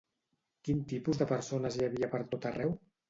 Quin tipus de persones hi havia per tot arreu?